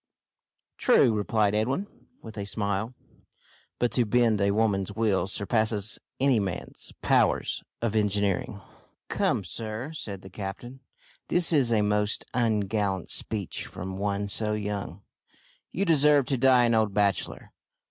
"True," replied Edwin, with a smile, "but to bend a woman's will surpasses any man's powers of engineering!" "Come, sir," said the captain, "that is a most ungallant speech from one so young. You deserve to die an old bachelor.